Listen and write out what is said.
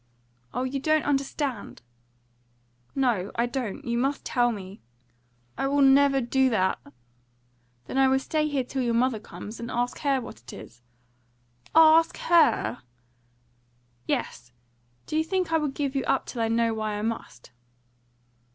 "Oh, you don't understand!" "No, I don't. You must tell me." "I will never do that." "Then I will stay here till your mother comes, and ask her what it is." "Ask HER?" "Yes! Do you think I will give you up till I know why I must?"